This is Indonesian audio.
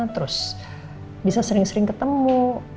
terus bisa sering sering ketemu